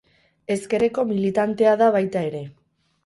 Ezkerreko militantea da baita ere.